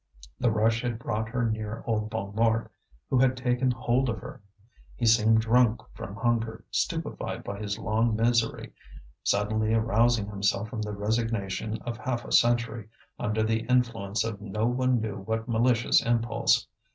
The rush had brought her near old Bonnemort, who had taken hold of her. He seemed drunk from hunger, stupefied by his long misery, suddenly arousing himself from the resignation of half a century, under the influence of no one knew what malicious impulse.